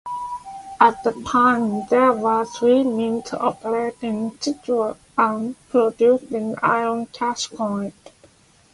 At the time there were three mints operating in Sichuan producing iron cash coins.